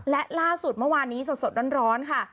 และล่าสุดเมื่อวานนี้สดร้อนค่ะ